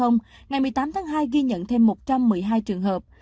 ngày một mươi tám tháng hai ghi nhận thêm một trăm một mươi hai trường hợp